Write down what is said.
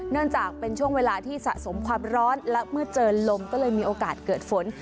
เนื่องจากเป็นช่วงเวลาที่สะสมความร้อนและเมื่อเจอลมก็เลยมีโอกาสเกิดฝน